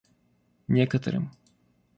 некоторым